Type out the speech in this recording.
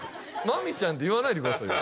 まみちゃんって言わないでくださいよ